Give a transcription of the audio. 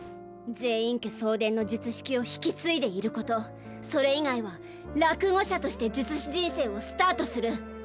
禪院家相伝の術式を引き継いでいることそれ以外は落伍者として術師人生をスタートする。